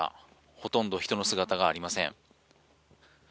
ほとんど人の姿がありません。